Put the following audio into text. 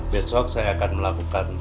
besok saya akan melakukan